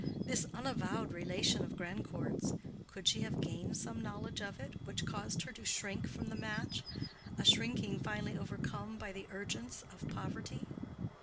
This unavowed relation of Grandcourt's—could she have gained some knowledge of it, which caused her to shrink from the match—a shrinking finally overcome by the urgence of poverty?